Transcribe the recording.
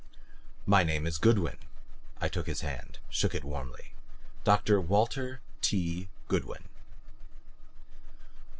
"My name is Goodwin." I took his hand, shook it warmly. "Dr. Walter T. Goodwin."